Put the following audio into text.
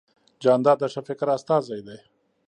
جانداد د ښه فکر استازی دی.